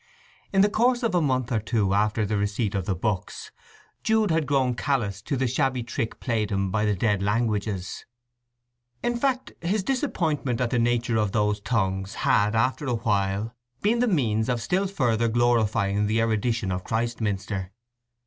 In the course of a month or two after the receipt of the books Jude had grown callous to the shabby trick played him by the dead languages. In fact, his disappointment at the nature of those tongues had, after a while, been the means of still further glorifying the erudition of Christminster.